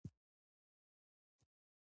د ادارې په چارو کې د وړتیا ښودل مهم دي.